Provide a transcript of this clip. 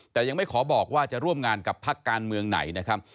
แต่ยังไม่ขอบอกว่าจะร่วมงานกับพักการเมืองไหนนะครับ